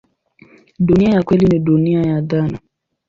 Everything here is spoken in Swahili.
Dunia ya kweli ni dunia ya dhana.